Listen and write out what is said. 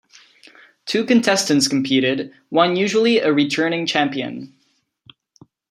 Two contestants competed, one usually a returning champion.